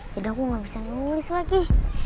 yaudah aku gak bisa nulis lagi